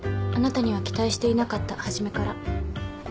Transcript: あなたには期待していなかった初めから。